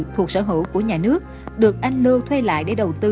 thuộc sở hữu của nhà nước được anh lưu thuê lại để đầu tư